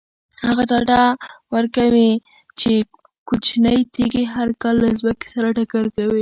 هغه ډاډ ورکوي چې کوچنۍ تیږې هر کال له ځمکې سره ټکر کوي.